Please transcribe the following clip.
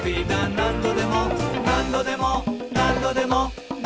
「なんどでもなんどでもなんどでも」